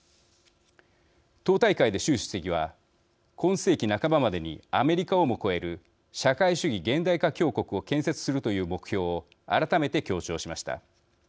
党大会で習主席は今世紀半ばまでにアメリカをも超える社会主義現代化強国を建設するという目標を改めて強調しました。